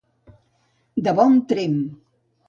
De bon tremp.